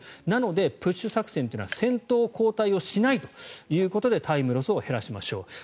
なのでプッシュ作戦というのは先頭交代をしないということでタイムロスを減らしましょう。